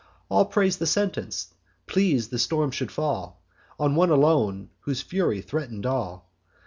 All prais'd the sentence, pleas'd the storm should fall On one alone, whose fury threaten'd all.